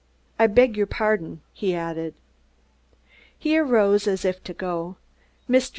I beg your pardon," he added. He arose as if to go. Mr.